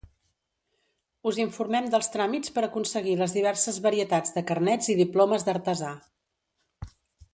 Us informem dels tràmits per aconseguir les diverses varietats de carnets i diplomes d'artesà.